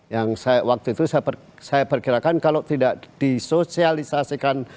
yang waktu itu saya perkirakan kalau tidak disosialisasikan